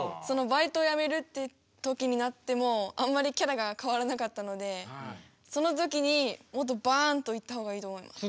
バイトやめるって時になってもあんまりキャラがかわらなかったのでその時にもっとバーンといった方がいいと思います。